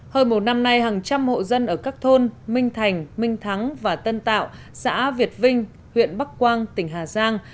hơn một năm nay hàng trăm hộ dân ở các thôn minh thành minh thắng và tân tạo xã việt vinh huyện bắc quang tỉnh hà giang